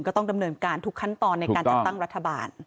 ก็ต้องดำเนินการทุกขั้นตอนในการจัดตั้งรัฐบาล